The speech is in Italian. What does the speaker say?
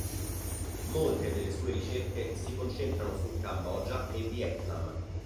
Molte delle sue ricerche si concentrano su Cambogia e Vietnam.